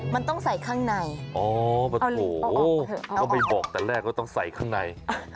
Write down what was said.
มันต้องใส่ข้างในแต่ล่ะก็ต้องใส่ข้างใน